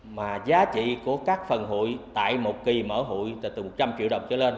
mà giá trị của các phần hụi tại một kỳ mở hụi từ một trăm linh triệu đồng trở lên